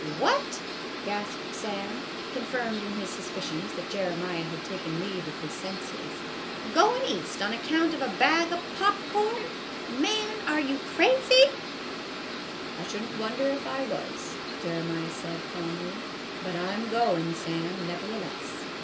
" What !" gasped Sam, confirmed in his suspi cions that Jeremiah had taken leave of his senses. " Goin' East on account of a bag of pop corn ! Man, are you crazy ?"" I should n't wonder if I was," Jeremiah said, calmly; "but I'm goin', Sam, nevertheless.